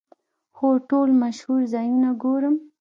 هو، ټول مشهور ځایونه ګورم